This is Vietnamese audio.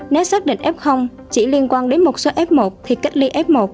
nếu xác định f chỉ liên quan đến một số f một thì cách ly f một